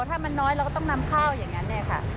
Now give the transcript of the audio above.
ถ้ามันน้อยเราก็ต้องนำเข้าอย่างนั้น